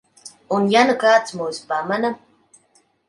Un ja nu kāds mūs pamana?